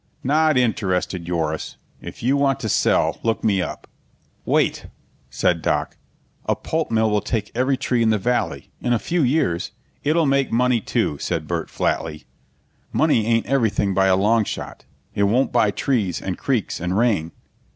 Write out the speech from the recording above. "Not interested, Yoris. If you want to sell, look me up." "Wait!" said Doc. "A pulp mill will take every tree in the Valley. In a few years " "It'll make money, too," said Burt flatly. "Money ain't everything by a long shot. It won't buy trees and creeks and rain."